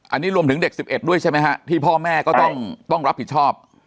อันนี้รวมถึงเด็ก๑๑ด้วยใช่ไหมฮะที่พ่อแม่ก็ต้องรับผิดชอบ